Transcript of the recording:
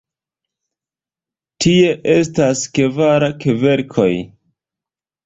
Tie estas kvar kverkoj.